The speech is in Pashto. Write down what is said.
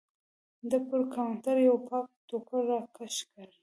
ده پر کاونټر یو پاک ټوکر راکش کړ.